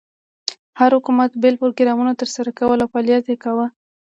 هر حکومت بېل پروګرامونه تر سره کول او فعالیت یې کاوه.